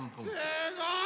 すごい！